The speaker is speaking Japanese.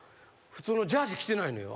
普通のジャージー着てないのよ。